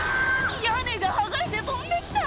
屋根が剥がれて飛んできた」